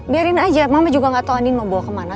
biarin aja mama juga gak tau andi mau bawa kemana